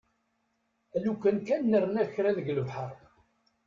Alukan kan nerna kra deg lebḥer.